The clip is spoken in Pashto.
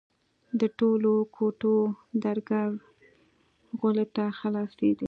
د ټولو کوټو درگاوې غولي ته خلاصېدې.